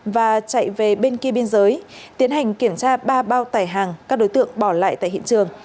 và chạy về bên kia biên giới tiến hành kiểm tra ba bao tải hàng các đối tượng bỏ lại tại hiện trường